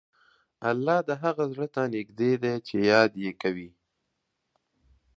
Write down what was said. الله د هغه زړه ته نږدې دی چې یاد یې کوي.